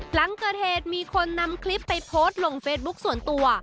หลังเกิดเหตุมีคนนำคลิปไปโพสต์ลงเฟซบุ๊คส่วนตัว